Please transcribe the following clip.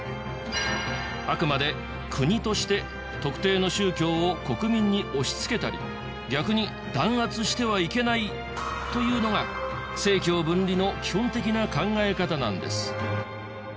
あくまで国として特定の宗教を国民に押しつけたり逆に弾圧してはいけないというのが政教分離の基本的な考え方なんです。